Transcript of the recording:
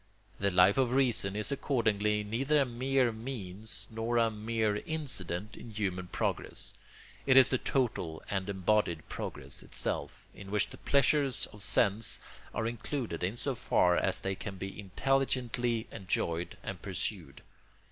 The Life of Reason is accordingly neither a mere means nor a mere incident in human progress; it is the total and embodied progress itself, in which the pleasures of sense are included in so far as they can be intelligently enjoyed and pursued.